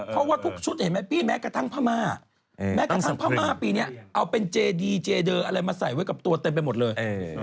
เพราะว่าทุกชุดเห็นไหมพี่แม้กระทั่งพม่าแม้กระทั่งพม่าปีนี้เอาเป็นเจดีเจเดอร์อะไรมาใส่ไว้กับตัวเต็มไปหมดเลย